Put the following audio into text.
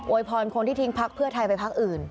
พรคนที่ทิ้งพักเพื่อไทยไปพักอื่น